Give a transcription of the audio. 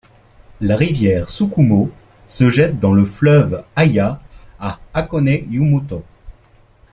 La rivière Sukumo se jette dans le fleuve Haya à Hakone-Yumoto.